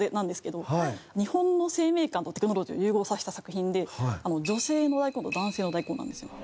日本の生命感とテクノロジーを融合させた作品で女性の大根と男性の大根なんですよ。